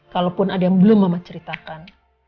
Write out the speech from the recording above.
kalaupun ada yang belum mama ceritakan